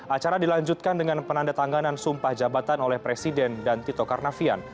acara dilanjutkan dengan penanda tanganan sumpah jabatan oleh presiden dan tito karnavian